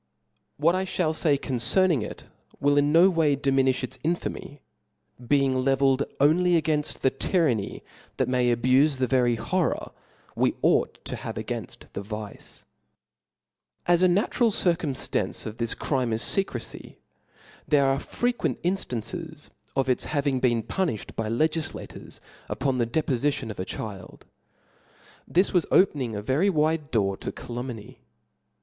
What I fhall fay con cerning it, will no ways diminilh its infamy, being levelled C( €S O F L A W S. iLjy levelled only againft the tyranny that may abufe the Book very horror we ought to have againft the vice. ch^'/i. As a natural circunnftance of this crime is fecrecy, there are frequent inftances of its having been pu nifhed by legiflators upon the depofitionof achild. This was opening a very wide door to calumny.